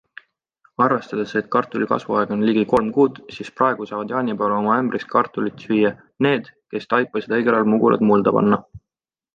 Arvestades, et kartuli kasvuaeg on ligi kolm kuud, siis praegu saavad jaanipäeval oma ämbrist kartulit süüa need, kes taipasid õigel ajal mugulad mulda panna.